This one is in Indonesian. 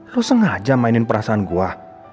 lo sengaja mainin perasaan gue